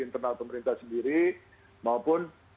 internal pemerintah sendiri maupun